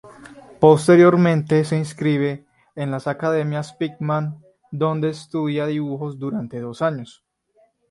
Posteriormente se inscribe en las academias Pitman donde estudia dibujo durante dos años.